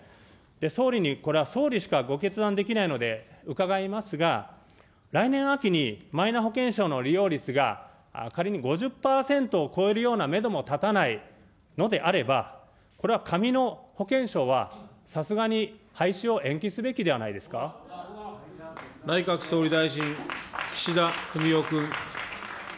総理にこれは、総理しかご決断できないので、伺いますが、来年秋にマイナ保険証の利用率が仮に５０％を超えないメドしか立たないのであれば、これは紙の保険証はさすがに廃止を延期すべき内閣総理大臣、岸田文雄君。